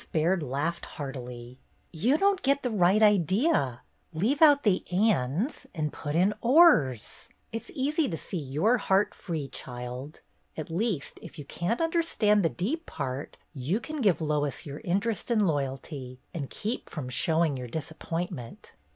Baird laughed heartily. "You don't get the right idea. Leave out the 'ands' and put in 'ors.' It 's easy to see you 're heart free, child. At least, if you can't understand the deep part, you can give Lois your interest and loyalty, and keep from showing your disappointment."